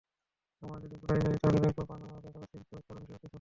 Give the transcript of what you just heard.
আমার যদি গোড়ায় যাই, তাহলে দেখব পানামা পেপারস কিন্তু করবিষয়ক কিছু নয়।